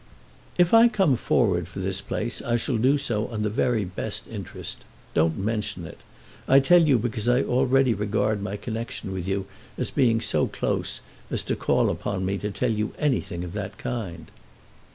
"If I come forward for this place I shall do so on the very best interest. Don't mention it. I tell you because I already regard my connection with you as being so close as to call upon me to tell you anything of that kind."